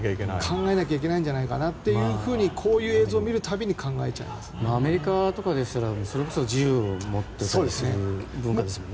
考えなきゃいけないんじゃないかなとこういう映像を見る度にアメリカとかでしたらそれこそ自由という文化ですもんね。